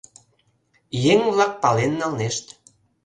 Еҥ-влак пален налнешт.